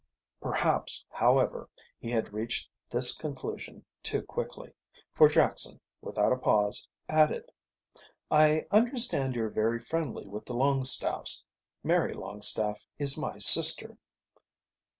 Perhaps, however, he had reached this conclusion too quickly, for Jackson, without a pause, added: "I understand you're very friendly with the Longstaffes. Mary Longstaffe is my sister."